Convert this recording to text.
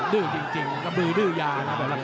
ดื้อจริงกระบือดื้อยานะ